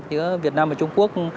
giữa việt nam và trung quốc